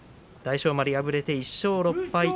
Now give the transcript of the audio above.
大翔丸敗れて１勝６敗。